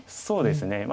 そうですね。